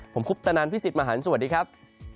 ผมคุปตะนันพี่สิทธิมหันฯสวัสดีครับ